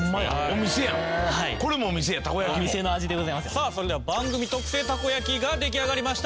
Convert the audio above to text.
さあそれでは番組特製たこ焼きが出来上がりました。